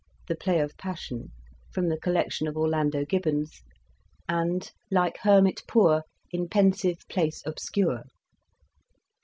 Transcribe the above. the play of passion," from the collection of Orlando Gibbons, and '' Like hermit poor in pensive place obscure."